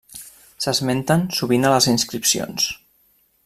S'esmenten sovint a les inscripcions.